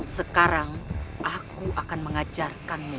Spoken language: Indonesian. sekarang aku akan mengajarkanmu